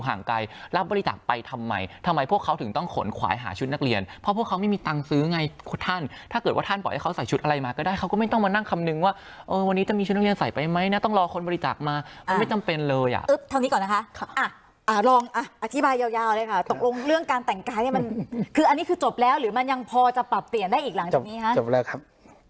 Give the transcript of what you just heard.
อธิบายยาวเลยค่ะตกลงเรื่องการแต่งกายมันคืออันนี้คือจบแล้วหรือมันยังพอจะปรับเปลี่ยนได้อีกหลังจากนี้ครับ